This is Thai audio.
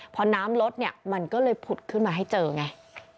พอน้ำลดเนี่ยมันก็เลยผุดขึ้นมาให้เจอไง